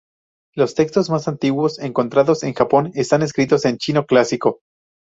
Los textos más antiguos encontrados en Japón están escritos en chino clásico.